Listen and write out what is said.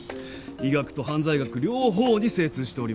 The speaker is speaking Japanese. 医学と犯罪学両方に精通しております。